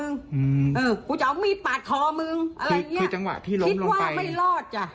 เออกูจะเอามีดปาดคอไหมอย่างนี้คิดว่าไม่รอดจ้ะ